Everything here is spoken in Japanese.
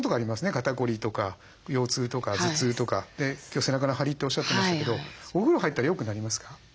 肩凝りとか腰痛とか頭痛とかって今日背中の張りっておっしゃってましたけどお風呂入ったらよくなりますか？